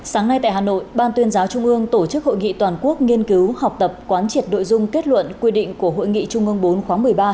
sáng nay tại hà nội ban tuyên giáo trung ương tổ chức hội nghị toàn quốc nghiên cứu học tập quán triệt nội dung kết luận quy định của hội nghị trung ương bốn khóa một mươi ba